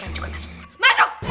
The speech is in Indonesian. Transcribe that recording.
tidak ada apa apa